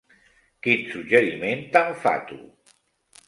Quin suggeriment tan fatu!